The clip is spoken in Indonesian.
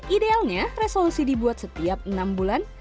idealnya resolusi dibuat setiap enam bulan